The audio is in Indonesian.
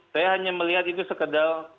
saya hanya melihat itu sekedar